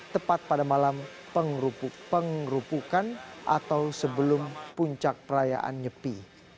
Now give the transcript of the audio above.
tepat pada malam pengerupukan atau sebelum puncak perayaan nyepi